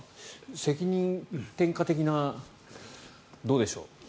責任転嫁的な、どうでしょう。